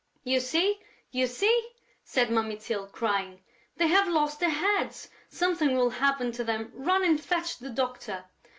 "You see, you see!" said Mummy Tyl, crying. "They have lost their heads, something will happen to them; run and fetch the doctor...."